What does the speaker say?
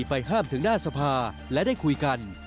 ไปห้ามถึงหน้าสภาและได้คุยกัน